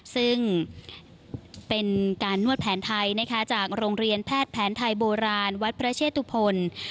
ซึ่งเป็นการนวดแผนไทยนะคะจากโรงเรียนแพทย์แผนไทยโบราณวัดพระเชตุพล